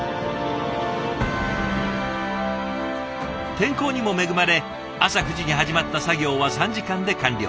天候にも恵まれ朝９時に始まった作業は３時間で完了。